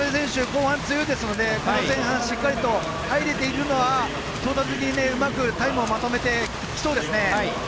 後半強いですので前半、しっかり入れているのがうまくタイムをまとめてきそうですね。